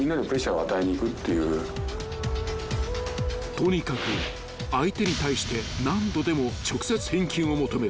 ［とにかく相手に対して何度でも直接返金を求める］